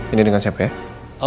ini dengan siapa ya